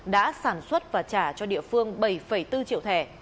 đã sản xuất và trả cho địa phương bảy bốn triệu thẻ